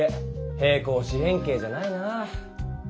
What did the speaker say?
平行四辺形じゃないなぁ。